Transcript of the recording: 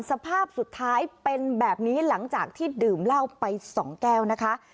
สภาพสุดท้ายเป็นแบบนี้หลังจากที่ดื่มเหล้าไปสองแก้วนะคะ